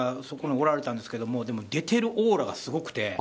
そこにおられたんですけど出ているオーラがすごくて。